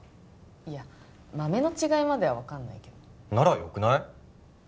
いや豆の違いまでは分かんないけどならよくない？